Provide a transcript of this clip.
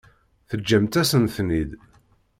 Teǧǧamt-asen-ten-id.